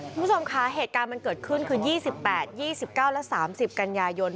คุณผู้ชมคะเหตุการณ์มันเกิดขึ้นคือ๒๘๒๙และ๓๐กันยายน